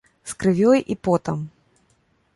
З крывёй і потам.